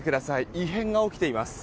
異変が起きています。